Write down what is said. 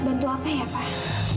bantu apa ya pak